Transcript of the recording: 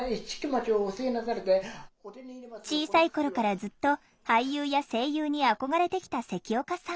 小さい頃からずっと俳優や声優に憧れてきた関岡さん